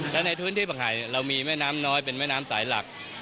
และในพื้นที่ผักหายเรามีแม่น้ำน้อยเป็นแม่น้ำสายหลัก